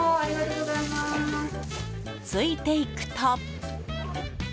ついていくと。